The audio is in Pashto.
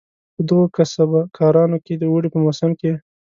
په دغو کسبه کارانو کې د اوړي په موسم کې.